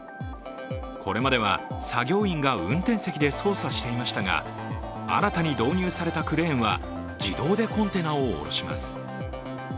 これまでは作業員が運転席で操作していましたが、新たに導入されたクレーンは自動でコンテナをおろします。